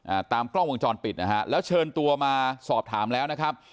อ่าตามกล้องวงจรปิดนะฮะแล้วเชิญตัวมาสอบถามแล้วนะครับ